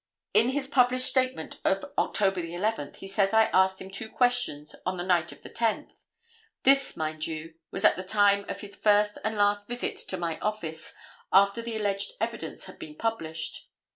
"In his published statement of October 11th, he says I asked him two questions on the night of the 10th. This, mind you, was at the time of his first and last visit to my office after the alleged evidence had been published.